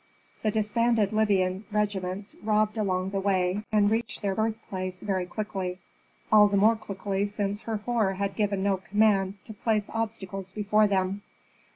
The disbanded Libyan regiments robbed along the way, and reached their birthplace very quickly, all the more quickly since Herhor had given no command to place obstacles before them.